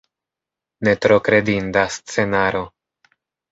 Ne tro kredinda scenaro.